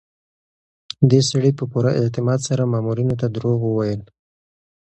دې سړي په پوره اعتماد سره مامورینو ته دروغ وویل.